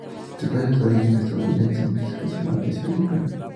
Su padre es de origen estadounidense, mientras que su madre es filipina.